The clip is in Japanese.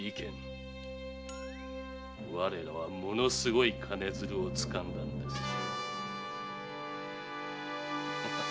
我らはものすごい金づるを掴んだのですよ。